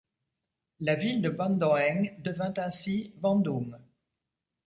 La ville de Bandoeng devint ainsi Bandung.